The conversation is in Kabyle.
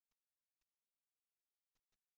Mlagiɣ-t si dewleɣ s uɣerbaz